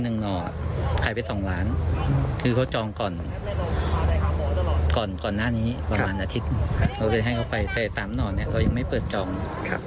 แต่เหลือ๓หน่อนนี้ค่ะเขายังไม่เปิดจองครับ